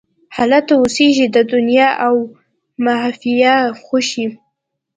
هلته اوسیږې د دنیا او مافیها خوښۍ